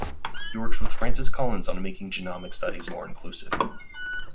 He works with Francis Collins on making genomic studies more inclusive.